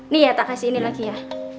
nih ya tak kasih ini lagi ya